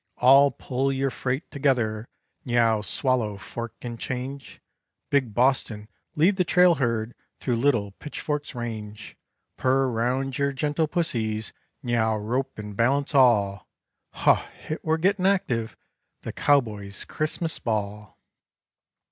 All pull your freight together, neow swallow fork and change; Big Boston, lead the trail herd through little Pitchfork's range. Purr round yer gentle pussies, neow rope and balance all!" Huh! Hit were gettin' active the Cowboy's Christmas Ball.